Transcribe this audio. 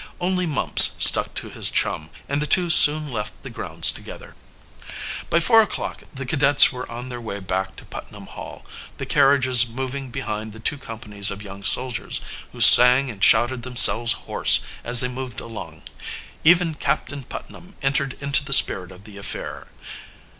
Only Mumps stuck to his chum, and the two soon left the grounds together. By four o'clock the cadets were on their way back to Putnam Hall, the carriages moving behind the two companies of young soldiers, who sang and shouted themselves hoarse as they moved along. Even Captain Putnam entered into the spirit of the affair.